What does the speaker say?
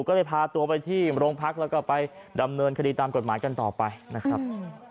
ก็เลยพาตัวไปที่โรงพักแล้วก็ไปดำเนินคดีตามกฎหมายกันต่อไปนะครับ